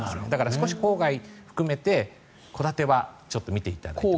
少し郊外含めて戸建ては見ていただきたいなと。